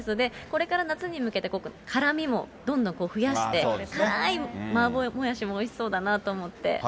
これから夏に向けて、辛みもどんどん増やして、辛い麻婆もやしもおいしそうだなと思って。